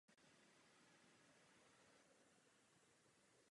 Doprovázela ho jeho stavební huť včetně syna Petra.